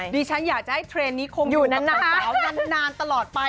ดิฉันอยากจะให้เทรนนี้คงอยู่กับสาวกันนานตลอดไป